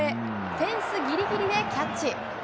フェンスギリギリでキャッチ。